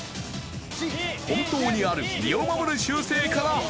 本当にある身を守る習性から発表。